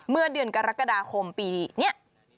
เมื่อเดือนกรกฎาคมปีนี้